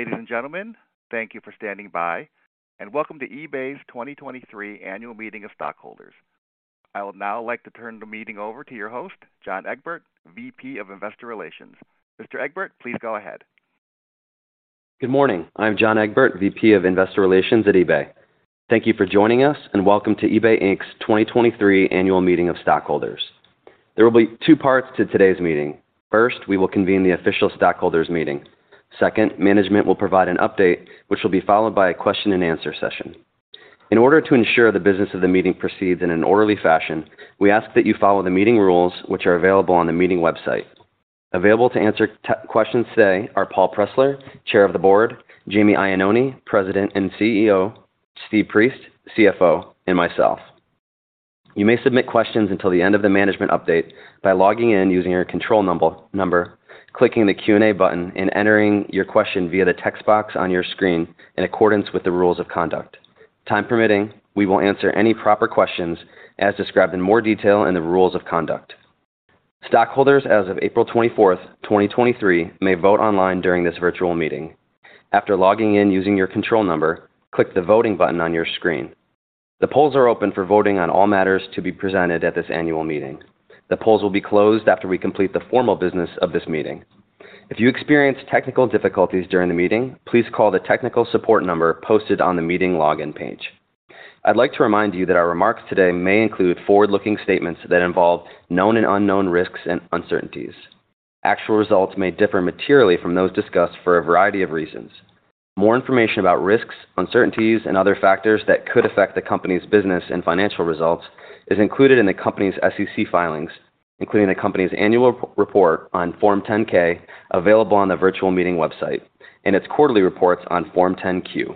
Ladies and gentlemen, thank you for standing by, and welcome to eBay's 2023 Annual Meeting of Stockholders. I would now like to turn the meeting over to your host, John Egbert, VP of Investor Relations. Mr. Egbert, please go ahead. Good morning. I'm John Egbert, VP of Investor Relations at eBay. Thank you for joining us. Welcome to eBay Inc.'s 2023 Annual Meeting of Stockholders. There will be two parts to today's meeting. First, we will convene the official stockholders meeting. Second, management will provide an update, which will be followed by a question-and-answer session. In order to ensure the business of the meeting proceeds in an orderly fashion, we ask that you follow the meeting rules, which are available on the meeting website. Available to answer questions today are Paul Pressler, Chair of the Board, Jamie Iannone, President and CEO, Steve Priest, CFO, and myself. You may submit questions until the end of the management update by logging in using your control number, clicking the Q&A button, and entering your question via the text box on your screen in accordance with the rules of conduct. Time permitting, we will answer any proper questions as described in more detail in the rules of conduct. Stockholders, as of April 24, 2023, may vote online during this virtual meeting. After logging in using your control number, click the voting button on your screen. The polls are open for voting on all matters to be presented at this annual meeting. The polls will be closed after we complete the formal business of this meeting. If you experience technical difficulties during the meeting, please call the technical support number posted on the meeting login page. I'd like to remind you that our remarks today may include forward-looking statements that involve known and unknown risks and uncertainties. Actual results may differ materially from those discussed for a variety of reasons. More information about risks, uncertainties, and other factors that could affect the company's business and financial results is included in the company's SEC filings, including the company's annual report on Form 10-K, available on the virtual meeting website, and its quarterly reports on Form 10-Q.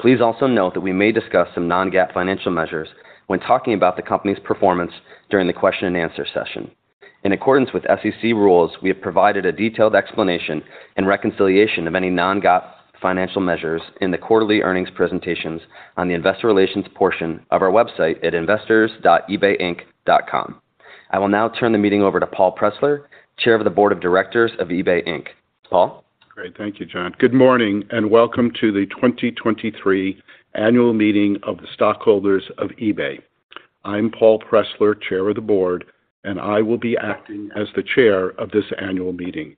Please also note that we may discuss some non-GAAP financial measures when talking about the company's performance during the question and answer session. In accordance with SEC rules, we have provided a detailed explanation and reconciliation of any non-GAAP financial measures in the quarterly earnings presentations on the investor relations portion of our website at investors.ebayinc.com. I will now turn the meeting over to Paul Pressler, Chair of the Board of Directors of eBay Inc. Paul? Great. Thank you, John. Good morning, and welcome to the 2023 Annual Meeting of the Stockholders of eBay. I'm Paul Pressler, Chair of the Board, and I will be acting as the Chair of this annual meeting.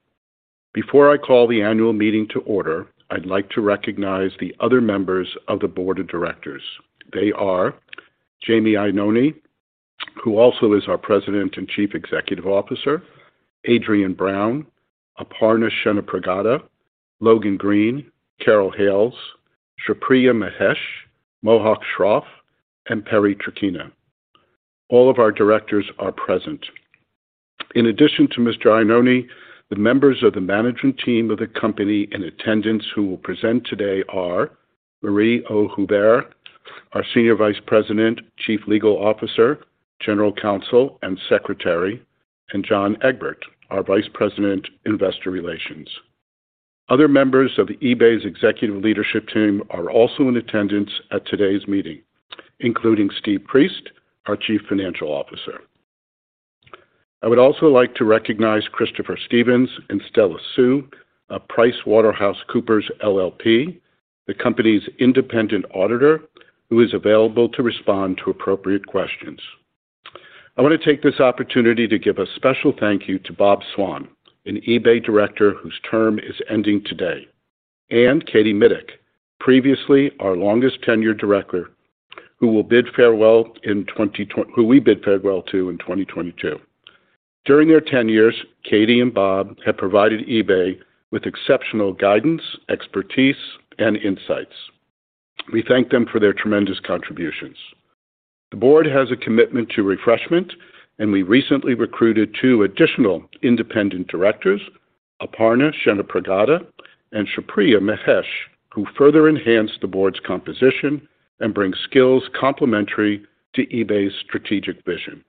Before I call the annual meeting to order, I'd like to recognize the other members of the Board of Directors. They are Jamie Iannone, who also is our President and Chief Executive Officer, Adriane Brown, Aparna Chennapragada, Logan Green, E. Carol Hayles, Shripriya Mahesh, Mohak Shroff, and Perry Traquina. All of our directors are present. In addition to Mr. Iannone, the members of the management team of the company in attendance who will present today are Marie Oh Huber, our Senior Vice President, Chief Legal Officer, General Counsel, and Secretary, and John Egbert, our Vice President, Investor Relations. Other members of eBay's executive leadership team are also in attendance at today's meeting, including Steve Priest, our chief financial officer. I would also like to recognize Christopher Stevens and Stella Xu of PricewaterhouseCoopers LLP, the company's independent auditor, who is available to respond to appropriate questions. I want to take this opportunity to give a special thank you to Bob Swan, an eBay director whose term is ending today, and Katie Mitic, previously our longest-tenured director, who we bid farewell to in 2022. During their 10 years, Katie and Bob have provided eBay with exceptional guidance, expertise, and insights. We thank them for their tremendous contributions. The board has a commitment to refreshment, and we recently recruited two additional independent directors, Aparna Chennapragada and Shripriya Mahesh, who further enhance the board's composition and bring skills complementary to eBay's strategic vision.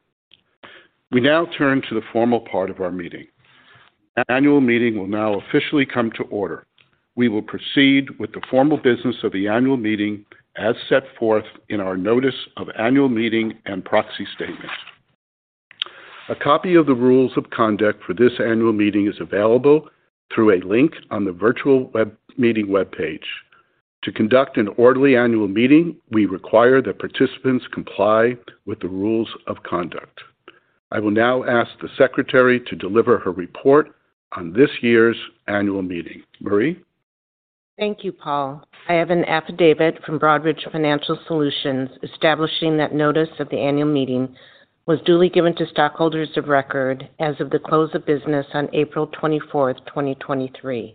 We now turn to the formal part of our meeting. Annual meeting will now officially come to order. We will proceed with the formal business of the annual meeting as set forth in our notice of annual meeting and proxy statement. A copy of the rules of conduct for this annual meeting is available through a link on the virtual web meeting webpage. To conduct an orderly annual meeting, we require that participants comply with the rules of conduct. I will now ask the secretary to deliver her report on this year's annual meeting. Marie? Thank you, Paul. I have an affidavit from Broadridge Financial Solutions establishing that notice of the annual meeting was duly given to stockholders of record as of the close of business on April 24th, 2023.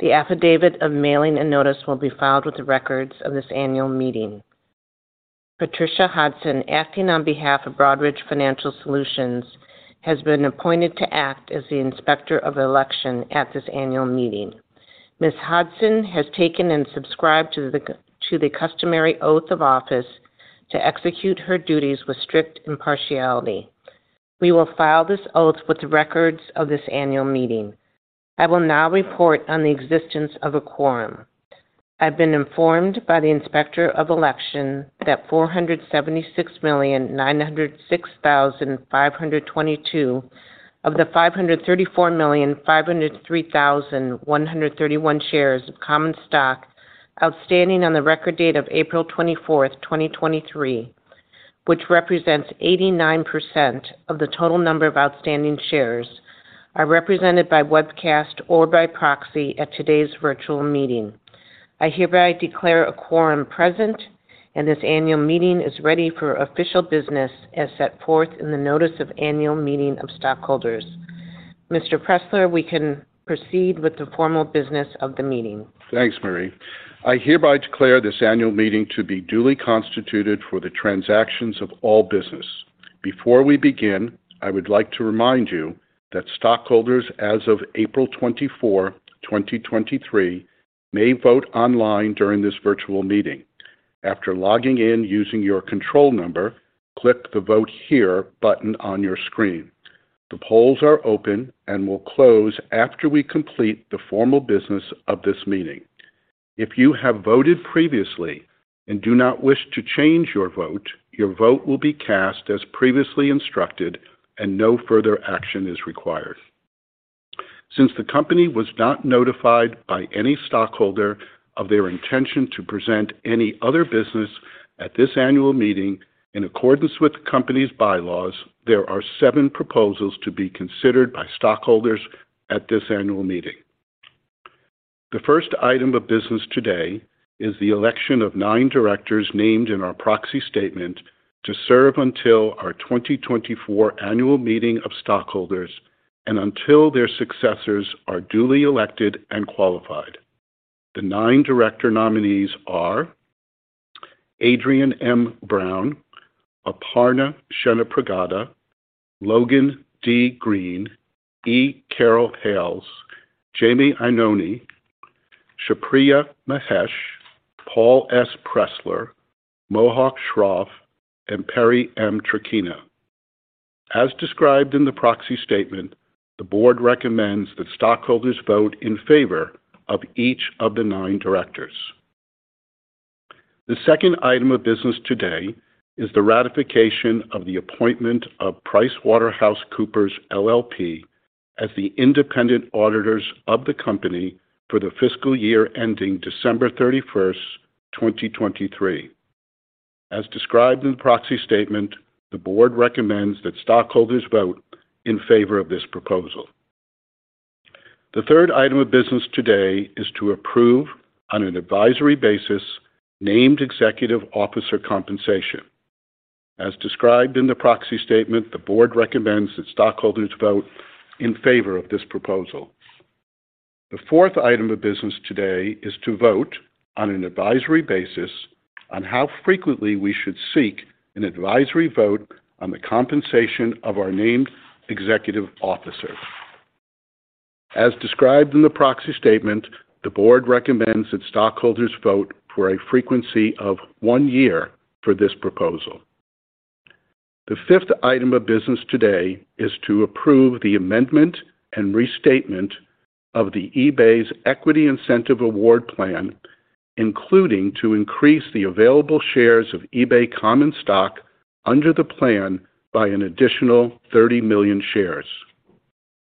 The affidavit of mailing and notice will be filed with the records of this annual meeting. Patricia Hodson, acting on behalf of Broadridge Financial Solutions, has been appointed to act as the inspector of election at this annual meeting. Ms. Hodson has taken and subscribed to the customary oath of office to execute her duties with strict impartiality. We will file this oath with the records of this annual meeting. I will now report on the existence of a quorum. I've been informed by the Inspector of Election that 476,906,522 of the 534,503,131 shares of common stock, outstanding on the record date of April 24, 2023, which represents 89% of the total number of outstanding shares, are represented by webcast or by proxy at today's virtual meeting. I hereby declare a quorum present, and this annual meeting is ready for official business as set forth in the notice of annual meeting of stockholders. Mr. Pressler, we can proceed with the formal business of the meeting. Thanks, Marie. I hereby declare this annual meeting to be duly constituted for the transactions of all business. Before we begin, I would like to remind you that stockholders as of April 24, 2023, may vote online during this virtual meeting. After logging in using your control number, click the Vote Here button on your screen. The polls are open and will close after we complete the formal business of this meeting. If you have voted previously and do not wish to change your vote, your vote will be cast as previously instructed, and no further action is required. Since the company was not notified by any stockholder of their intention to present any other business at this annual meeting, in accordance with the company's bylaws, there are seven proposals to be considered by stockholders at this annual meeting. The first item of business today is the election of nine directors named in our proxy statement to serve until our 2024 annual meeting of stockholders and until their successors are duly elected and qualified. The nine director nominees are Adriane M. Brown, Aparna Chennapragada, Logan D. Green, E. Carol Hayles, Jamie Iannone, Shripriya Mahesh, Paul S. Pressler, Mohak Shroff, and Perry M. Traquina. As described in the proxy statement, the board recommends that stockholders vote in favor of each of the nine directors. The second item of business today is the ratification of the appointment of PricewaterhouseCoopers LLP as the independent auditors of the company for the fiscal year ending December 31, 2023. As described in the proxy statement, the board recommends that stockholders vote in favor of this proposal. The third item of business today is to approve, on an advisory basis, named executive officer compensation. As described in the proxy statement, the board recommends that stockholders vote in favor of this proposal. The fourth item of business today is to vote on an advisory basis on how frequently we should seek an advisory vote on the compensation of our named executive officers. As described in the proxy statement, the board recommends that stockholders vote for a frequency of one year for this proposal. The fifth item of business today is to approve the amendment and restatement of the eBay's Equity Incentive Award Plan, including to increase the available shares of eBay common stock under the plan by an additional 30 million shares.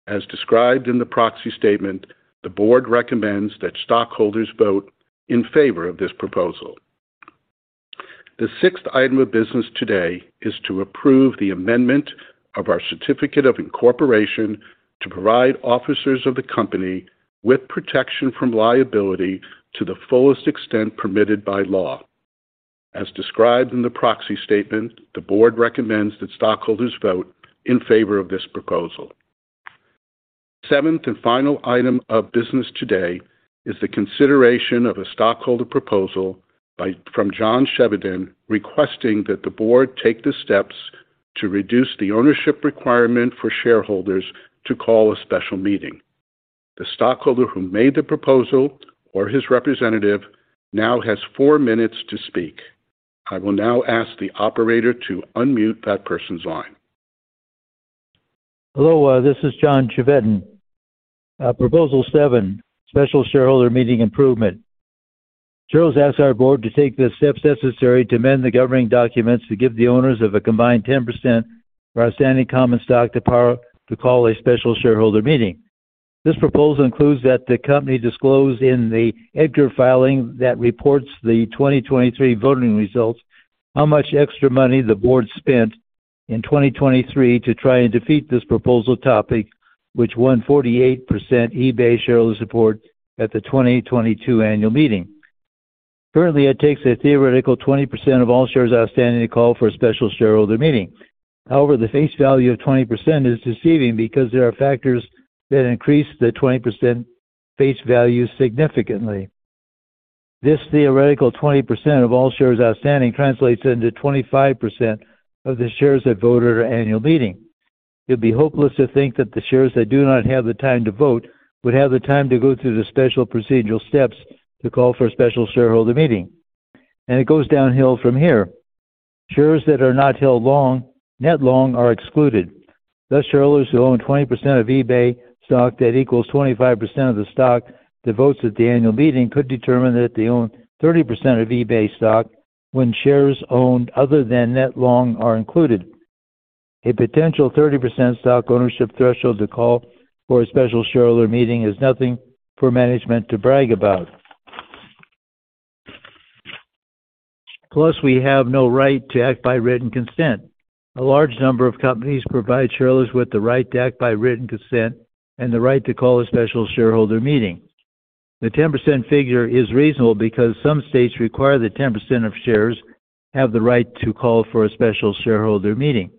As described in the proxy statement, the board recommends that stockholders vote in favor of this proposal. The sixth item of business today is to approve the amendment of our Certificate of Incorporation to provide officers of the company with protection from liability to the fullest extent permitted by law. As described in the proxy statement, the board recommends that stockholders vote in favor of this proposal. Seventh final item of business today is the consideration of a stockholder proposal from John Chevedden, requesting that the board take the steps to reduce the ownership requirement for shareholders to call a special meeting. The stockholder who made the proposal, or his representative, now has four minutes to speak. I will now ask the operator to unmute that person's line. Hello, this is John Chevedden. Proposal 7, special shareholder meeting improvement. Shareholders ask our board to take the steps necessary to amend the governing documents to give the owners of a combined 10% of our standing common stock the power to call a special shareholder meeting. This proposal includes that the company disclose in the EDGAR filing that reports the 2023 voting results, how much extra money the board spent in 2023 to try and defeat this proposal topic, which won 48% eBay shareholder support at the 2022 annual meeting. Currently, it takes a theoretical 20% of all shares outstanding to call for a special shareholder meeting. However, the face value of 20% is deceiving because there are factors that increase the 20% face value significantly. This theoretical 20% of all shares outstanding translates into 25% of the shares that vote at our annual meeting. It'd be hopeless to think that the shares that do not have the time to vote would have the time to go through the special procedural steps to call for a special shareholder meeting. It goes downhill from here. Shares that are not held long, net long, are excluded. Thus, shareholders who own 20% of eBay stock, that equals 25% of the stock, the votes at the annual meeting could determine that they own 30% of eBay stock when shares owned other than net long are included. A potential 30% stock ownership threshold to call for a special shareholder meeting is nothing for management to brag about. Plus, we have no right to act by written consent. A large number of companies provide shareholders with the right to act by written consent and the right to call a special shareholder meeting. The 10% figure is reasonable because some states require that 10% of shares have the right to call for a special shareholder meeting.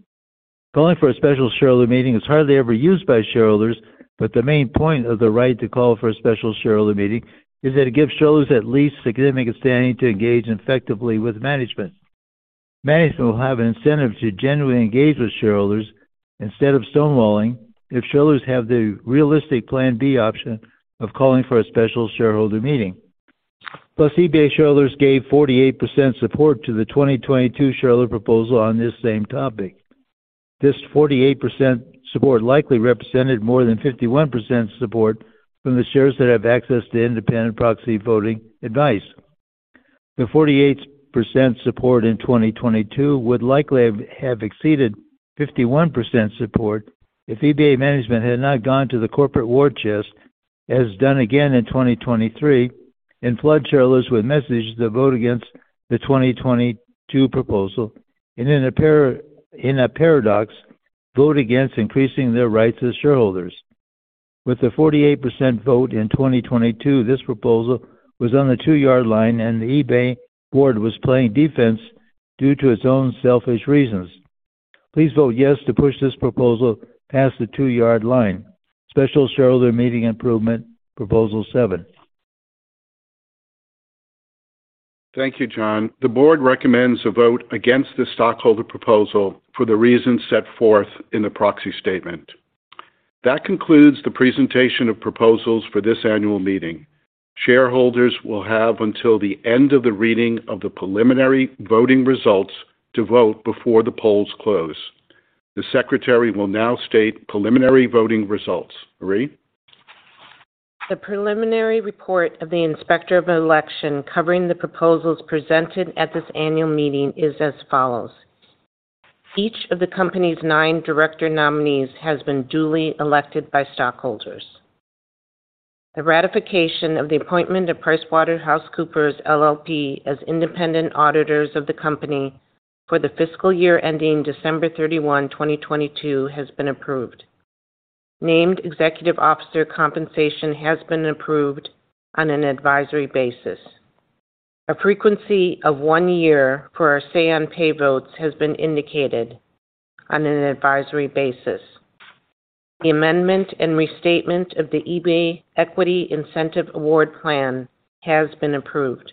Calling for a special shareholder meeting is hardly ever used by shareholders, but the main point of the right to call for a special shareholder meeting is that it gives shareholders at least significant standing to engage effectively with management. Management will have an incentive to genuinely engage with shareholders instead of stonewalling, if shareholders have the realistic plan B option of calling for a special shareholder meeting. eBay shareholders gave 48% support to the 2022 shareholder proposal on this same topic. This 48% support likely represented more than 51% support from the shares that have access to independent proxy voting advice. The 48% support in 2022 would likely have exceeded 51% support if eBay management had not gone to the corporate war chest, as done again in 2023, and flood shareholders with messages to vote against the 2022 proposal, and in a paradox, vote against increasing their rights as shareholders. With the 48% vote in 2022, this proposal was on the two-yard line, and the eBay board was playing defense due to its own selfish reasons. Please vote yes to push this proposal past the two-yard line. Special Shareholder Meeting Improvement, Proposal 7. Thank you, John. The board recommends a vote against the stockholder proposal for the reasons set forth in the proxy statement. That concludes the presentation of proposals for this annual meeting. Shareholders will have until the end of the reading of the preliminary voting results to vote before the polls close. The secretary will now state preliminary voting results. Marie? The preliminary report of the Inspector of Election covering the proposals presented at this annual meeting is as follows: Each of the company's nine director nominees has been duly elected by stockholders. The ratification of the appointment of PricewaterhouseCoopers LLP as independent auditors of the company for the fiscal year ending December 31, 2022, has been approved. Named Executive Officer compensation has been approved on an advisory basis. A frequency of one year for our say on pay votes has been indicated on an advisory basis. The amendment and restatement of the eBay Equity Incentive Award Plan has been approved.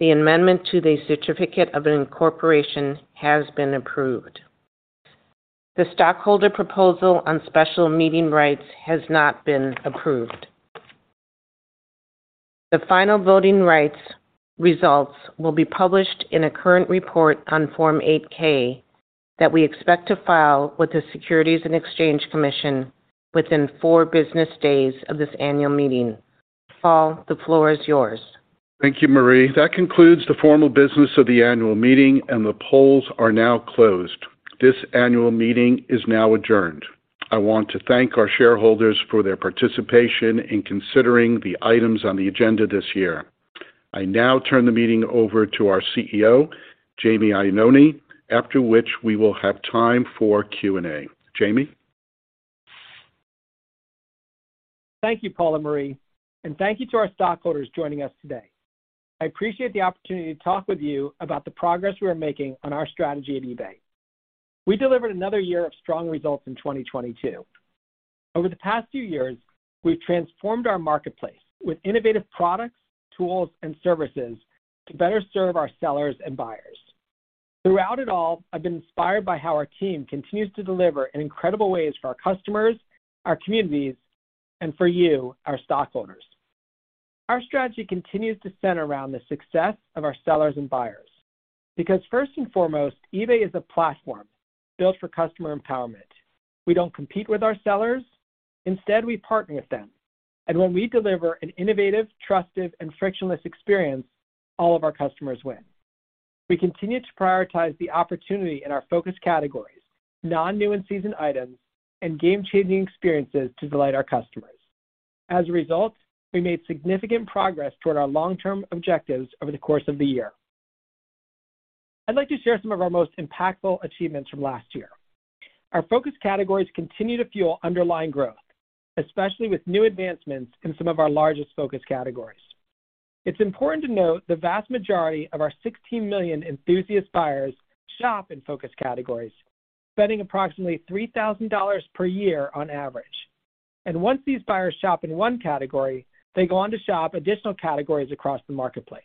The amendment to the Certificate of Incorporation has been approved. The stockholder proposal on special meeting rights has not been approved. The final voting rights results will be published in a current report on Form 8-K, that we expect to file with the Securities and Exchange Commission within four business days of this annual meeting. Paul, the floor is yours. Thank you, Marie. That concludes the formal business of the annual meeting, and the polls are now closed. This annual meeting is now adjourned. I want to thank our shareholders for their participation in considering the items on the agenda this year. I now turn the meeting over to our CEO, Jamie Iannone, after which we will have time for Q&A. Jamie? Thank you, Paul and Marie. Thank you to our stockholders joining us today. I appreciate the opportunity to talk with you about the progress we are making on our strategy at eBay. We delivered another year of strong results in 2022. Over the past few years, we've transformed our marketplace with innovative products, tools, and services to better serve our sellers and buyers. Throughout it all, I've been inspired by how our team continues to deliver in incredible ways for our customers, our communities, and for you, our stockholders. Our strategy continues to center around the success of our sellers and buyers, because first and foremost, eBay is a platform built for customer empowerment. We don't compete with our sellers. Instead, we partner with them, and when we deliver an innovative, trusted, and frictionless experience, all of our customers win. We continue to prioritize the opportunity in our focus categories, non-new and seasoned items, and game-changing experiences to delight our customers. As a result, we made significant progress toward our long-term objectives over the course of the year. I'd like to share some of our most impactful achievements from last year. Our focus categories continue to fuel underlying growth, especially with new advancements in some of our largest focus categories. It's important to note the vast majority of our 16 million enthusiast buyers shop in focus categories, spending approximately $3,000 per year on average. Once these buyers shop in one category, they go on to shop additional categories across the marketplace.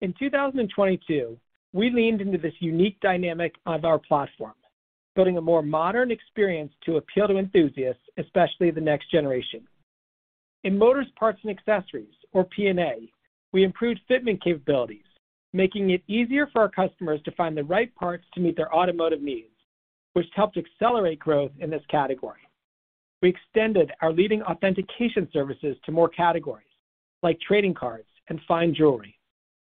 In 2022, we leaned into this unique dynamic of our platform, building a more modern experience to appeal to enthusiasts, especially the next generation. In motors parts and accessories, or P&A, we improved fitment capabilities, making it easier for our customers to find the right parts to meet their automotive needs, which helped accelerate growth in this category. We extended our leading authentication services to more categories, like trading cards and fine jewelry,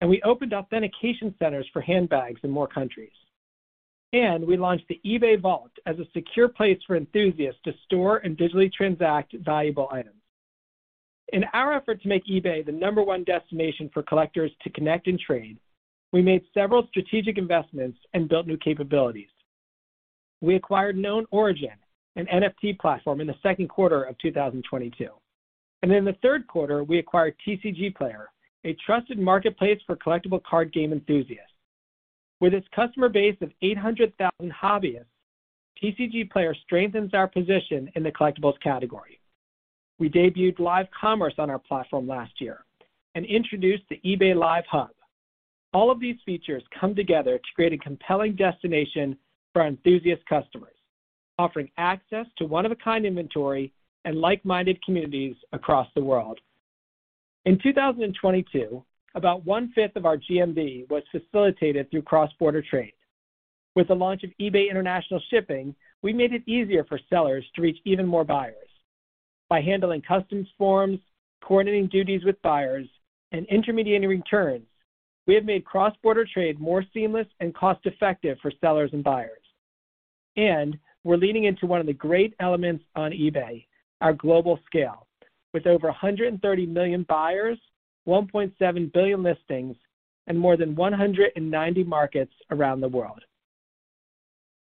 and we opened authentication centers for handbags in more countries. We launched the eBay Vault as a secure place for enthusiasts to store and digitally transact valuable items. In our effort to make eBay the number one destination for collectors to connect and trade, we made several strategic investments and built new capabilities. We acquired KnownOrigin, an NFT platform, in the second quarter of 2022, and in the third quarter, we acquired TCGplayer, a trusted marketplace for collectible card game enthusiasts. With its customer base of 800,000 hobbyists, TCGplayer strengthens our position in the collectibles category. We debuted live commerce on our platform last year and introduced the eBay Live Hub. All of these features come together to create a compelling destination for our enthusiast customers, offering access to one-of-a-kind inventory and like-minded communities across the world. In 2022, about one-fifth of our GMV was facilitated through cross-border trade. With the launch of eBay International Shipping, we made it easier for sellers to reach even more buyers. By handling customs forms, coordinating duties with buyers, and intermediating returns, we have made cross-border trade more seamless and cost-effective for sellers and buyers. We're leaning into one of the great elements on eBay, our global scale, with over 130 million buyers, 1.7 billion listings, and more than 190 markets around the world.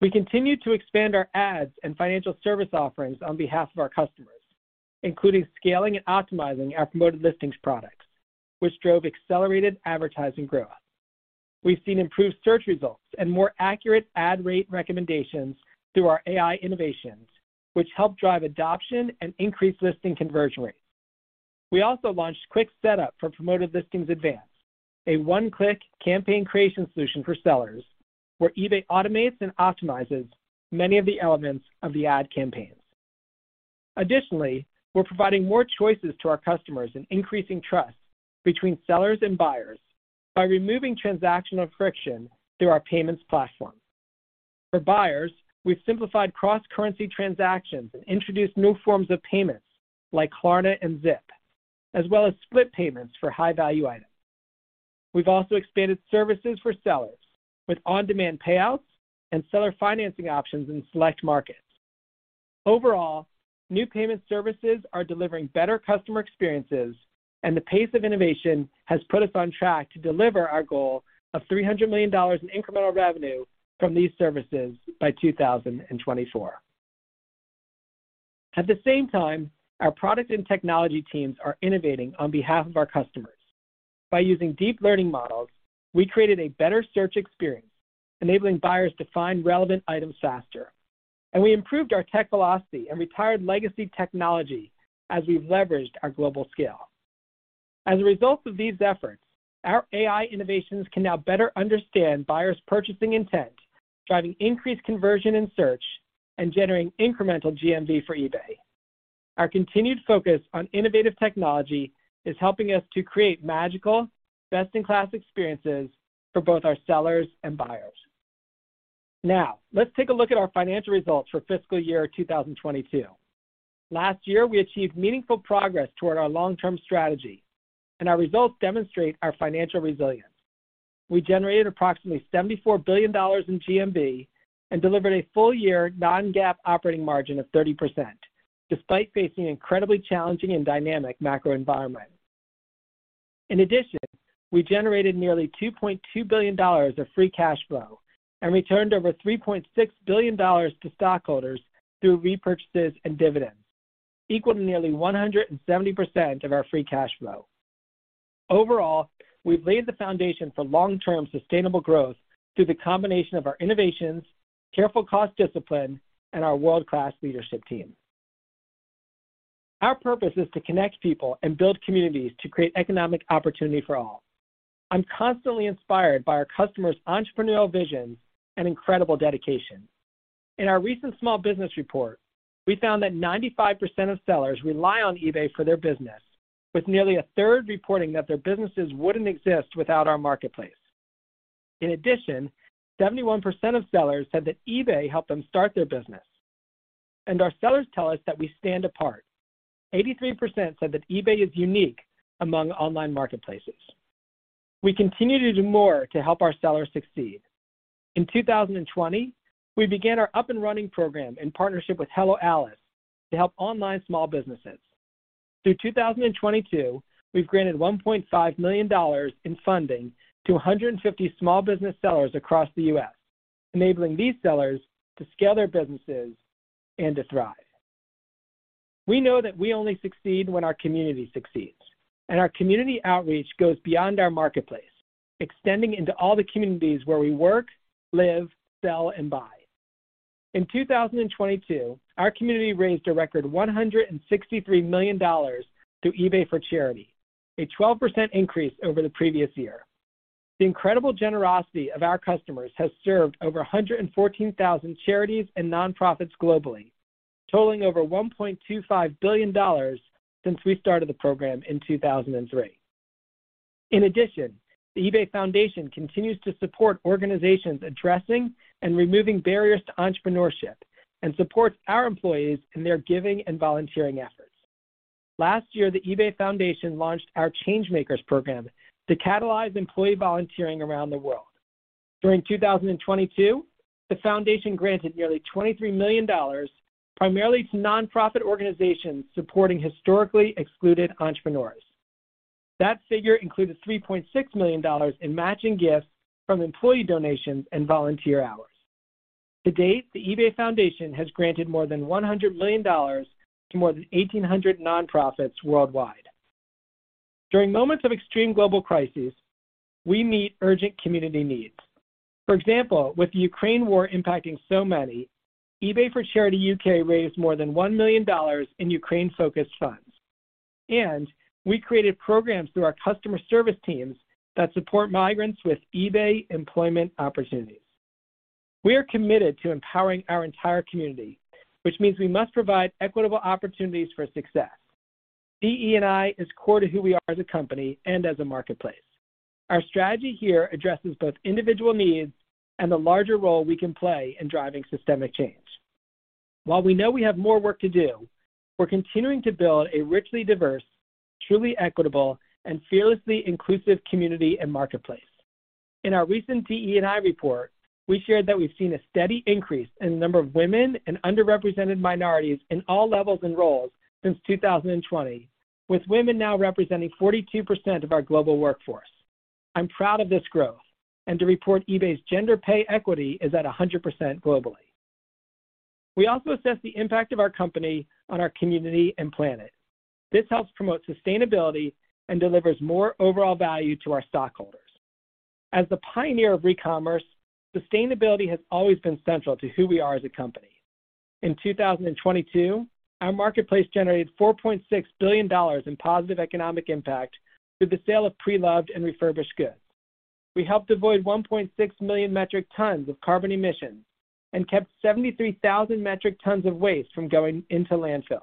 We continued to expand our ads and financial service offerings on behalf of our customers, including scaling and optimizing our Promoted Listings products, which drove accelerated advertising growth. We've seen improved search results and more accurate ad rate recommendations through our AI innovations, which help drive adoption and increase listing conversion rates. We also launched Quick Setup for Promoted Listings Advanced, a one-click campaign creation solution for sellers, where eBay automates and optimizes many of the elements of the ad campaigns. Additionally, we're providing more choices to our customers and increasing trust between sellers and buyers by removing transactional friction through our payments platform. For buyers, we've simplified cross-currency transactions and introduced new forms of payments, like Klarna and Zip, as well as split payments for high-value items. We've also expanded services for sellers with on-demand payouts and seller financing options in select markets. Overall, new payment services are delivering better customer experiences, and the pace of innovation has put us on track to deliver our goal of $300 million in incremental revenue from these services by 2024. At the same time, our product and technology teams are innovating on behalf of our customers. By using deep learning models, we created a better search experience, enabling buyers to find relevant items faster. We improved our tech velocity and retired legacy technology as we've leveraged our global scale. As a result of these efforts, our AI innovations can now better understand buyers' purchasing intent, driving increased conversion in search and generating incremental GMV for eBay. Our continued focus on innovative technology is helping us to create magical, best-in-class experiences for both our sellers and buyers. Now, let's take a look at our financial results for fiscal year 2022. Last year, we achieved meaningful progress toward our long-term strategy, and our results demonstrate our financial resilience. We generated approximately $74 billion in GMV and delivered a full-year non-GAAP operating margin of 30%, despite facing an incredibly challenging and dynamic macro environment. In addition, we generated nearly $2.2 billion of free cash flow and returned over $3.6 billion to stockholders through repurchases and dividends, equal to nearly 170% of our free cash flow. Overall, we've laid the foundation for long-term sustainable growth through the combination of our innovations, careful cost discipline, and our world-class leadership team. Our purpose is to connect people and build communities to create economic opportunity for all. I'm constantly inspired by our customers' entrepreneurial visions and incredible dedication. In our recent small business report, we found that 95% of sellers rely on eBay for their business, with nearly a third reporting that their businesses wouldn't exist without our marketplace. In addition, 71% of sellers said that eBay helped them start their business, and our sellers tell us that we stand apart. 83% said that eBay is unique among online marketplaces. We continue to do more to help our sellers succeed. In 2020, we began our Up & Running program in partnership with Hello Alice to help online small businesses. Through 2022, we've granted $1.5 million in funding to 150 small business sellers across the U.S., enabling these sellers to scale their businesses and to thrive. We know that we only succeed when our community succeeds, our community outreach goes beyond our marketplace, extending into all the communities where we work, live, sell, and buy. In 2022, our community raised a record $163 million through eBay for Charity, a 12% increase over the previous year. The incredible generosity of our customers has served over 114,000 charities and nonprofits globally, totaling over $1.25 billion since we started the program in 2003. In addition, the eBay Foundation continues to support organizations addressing and removing barriers to entrepreneurship and supports our employees in their giving and volunteering efforts. Last year, the eBay Foundation launched our Changemakers program to catalyze employee volunteering around the world. During 2022, the foundation granted nearly $23 million, primarily to nonprofit organizations supporting historically excluded entrepreneurs. That figure includes $3.6 million in matching gifts from employee donations and volunteer hours. To date, the eBay Foundation has granted more than $100 million to more than 1,800 nonprofits worldwide. During moments of extreme global crises, we meet urgent community needs. For example, with the Ukraine war impacting so many, eBay for Charity U.K. raised more than $1 million in Ukraine-focused funds, and we created programs through our customer service teams that support migrants with eBay employment opportunities. We are committed to empowering our entire community, which means we must provide equitable opportunities for success. DE&I is core to who we are as a company and as a marketplace. Our strategy here addresses both individual needs and the larger role we can play in driving systemic change. While we know we have more work to do, we're continuing to build a richly diverse, truly equitable and fearlessly inclusive community and marketplace. In our recent DE&I report, we shared that we've seen a steady increase in the number of women and underrepresented minorities in all levels and roles since 2020, with women now representing 42% of our global workforce. I'm proud of this growth, and to report eBay's gender pay equity is at 100% globally. We also assess the impact of our company on our community and planet. This helps promote sustainability and delivers more overall value to our stockholders. As the pioneer of recommerce, sustainability has always been central to who we are as a company. In 2022, our marketplace generated $4.6 billion in positive economic impact through the sale of pre-loved and refurbished goods. We helped avoid 1.6 million metric tons of carbon emissions and kept 73,000 metric tons of waste from going into landfills.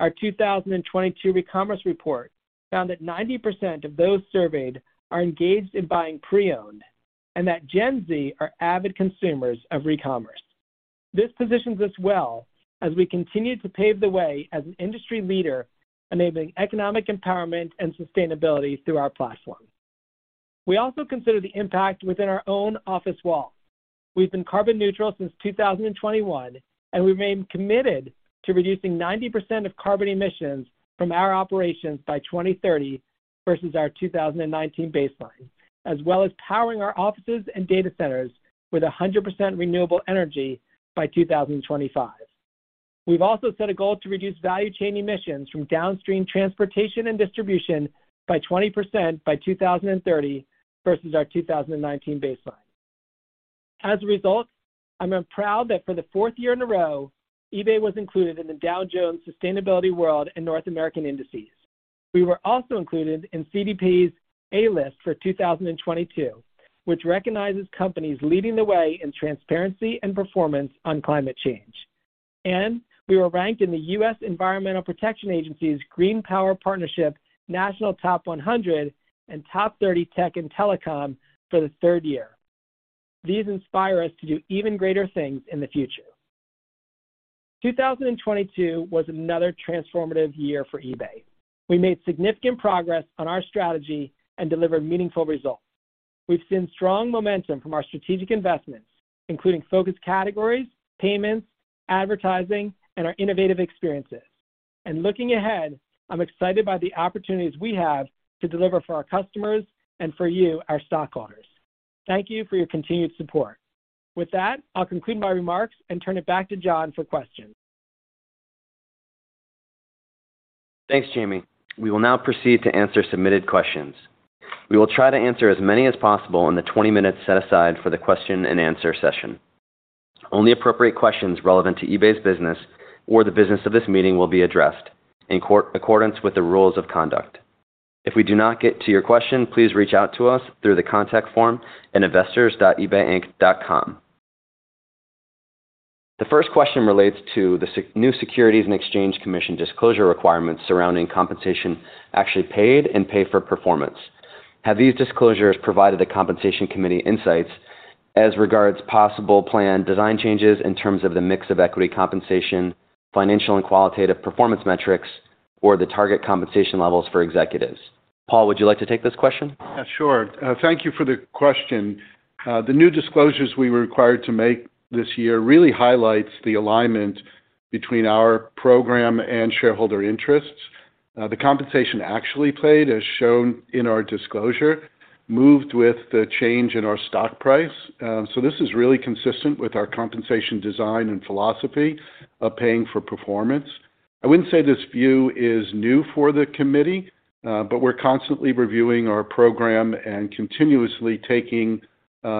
Our 2022 recommerce report found that 90% of those surveyed are engaged in buying pre-owned and that Gen Z are avid consumers of recommerce. This positions us well as we continue to pave the way as an industry leader, enabling economic empowerment and sustainability through our platform. We also consider the impact within our own office walls. We've been carbon neutral since 2021, and we remain committed to reducing 90% of carbon emissions from our operations by 2030 versus our 2019 baseline, as well as powering our offices and data centers with 100% renewable energy by 2025. We've also set a goal to reduce value chain emissions from downstream transportation and distribution by 20% by 2030 versus our 2019 baseline. As a result, I'm proud that for the fourth year in a row, eBay was included in the Dow Jones Sustainability World and North American Indices. We were also included in CDP's A List for 2022, which recognizes companies leading the way in transparency and performance on climate change. We were ranked in the U.S. Environmental Protection Agency's Green Power Partnership, National Top 100 and Top 30 Tech and Telecom for the third year. These inspire us to do even greater things in the future. 2022 was another transformative year for eBay. We made significant progress on our strategy and delivered meaningful results. We've seen strong momentum from our strategic investments, including focus categories, payments, advertising, and our innovative experiences. Looking ahead, I'm excited by the opportunities we have to deliver for our customers and for you, our stockholders. Thank you for your continued support. With that, I'll conclude my remarks and turn it back to John for questions. Thanks, Jamie. We will now proceed to answer submitted questions. We will try to answer as many as possible in the 20 minutes set aside for the question and answer session. Only appropriate questions relevant to eBay's business or the business of this meeting will be addressed in accordance with the rules of conduct. If we do not get to your question, please reach out to us through the contact form at investors.ebayinc.com. The first question relates to the new Securities and Exchange Commission disclosure requirements surrounding compensation actually paid and pay for performance. Have these disclosures provided the compensation committee insights as regards possible plan design changes in terms of the mix of equity compensation, financial and qualitative performance metrics, or the target compensation levels for executives? Paul, would you like to take this question? Yeah, sure. Thank you for the question. The new disclosures we were required to make this year really highlights the alignment between our program and shareholder interests. The compensation actually paid, as shown in our disclosure, moved with the change in our stock price. This is really consistent with our compensation design and philosophy of paying for performance. I wouldn't say this view is new for the committee, but we're constantly reviewing our program and continuously taking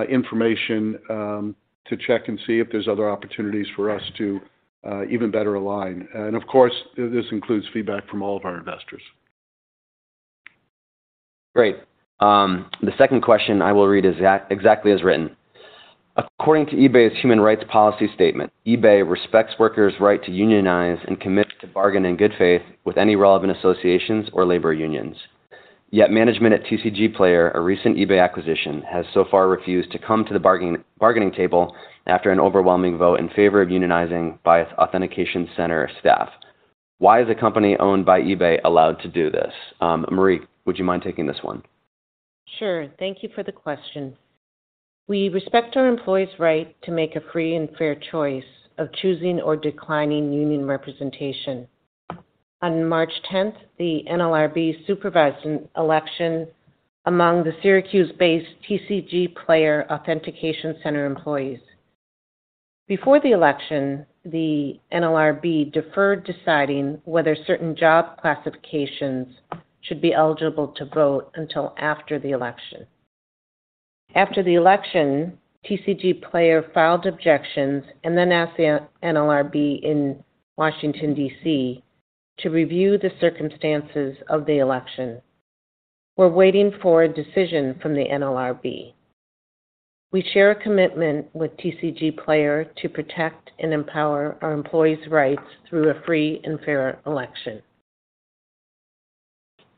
information to check and see if there's other opportunities for us to even better align. Of course, this includes feedback from all of our investors.... Great. The second question I will read is exactly as written. According to eBay's human rights policy statement, eBay respects workers' right to unionize and commit to bargain in good faith with any relevant associations or labor unions. Management at TCGplayer, a recent eBay acquisition, has so far refused to come to the bargaining table after an overwhelming vote in favor of unionizing by its Authentication Center staff. Why is a company owned by eBay allowed to do this? Marie, would you mind taking this one? Sure. Thank you for the question. We respect our employees' right to make a free and fair choice of choosing or declining union representation. On March 10th, the NLRB supervised an election among the Syracuse-based TCGplayer Authentication Center employees. Before the election, the NLRB deferred deciding whether certain job classifications should be eligible to vote until after the election. After the election, TCGplayer filed objections and then asked the NLRB in Washington, D.C., to review the circumstances of the election. We're waiting for a decision from the NLRB. We share a commitment with TCGplayer to protect and empower our employees' rights through a free and fair election.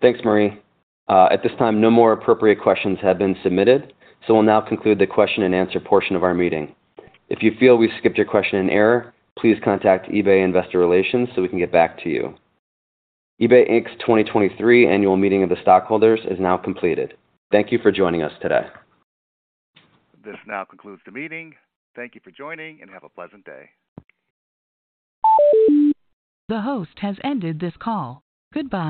Thanks, Marie. At this time, no more appropriate questions have been submitted, so we'll now conclude the question and answer portion of our meeting. If you feel we've skipped your question in error, please contact eBay Investor Relations so we can get back to you. eBay Inc.'s 2023 annual meeting of the stockholders is now completed. Thank you for joining us today. This now concludes the meeting. Thank you for joining, and have a pleasant day. The host has ended this call. Goodbye.